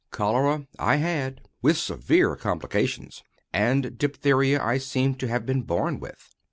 Cholera I had, with severe complications; and diphtheria I seemed to have been born with.